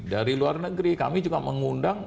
dari luar negeri kami juga mengundang